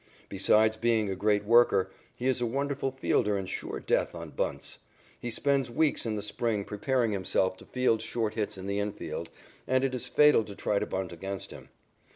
Besides being a great worker, he is a wonderful fielder and sure death on bunts. He spends weeks in the spring preparing himself to field short hits in the infield, and it is fatal to try to bunt against him.